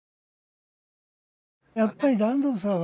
やっぱり團藤さんはね